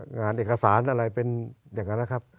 งานเอกสารอะไรเป็นอย่างนั้นนะครับ